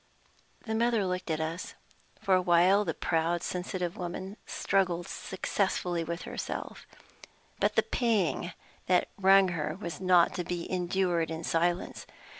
The mother looked at us. For a while, the proud, sensitive woman struggled successfully with herself; but the pang that wrung her was not to be endured in silence.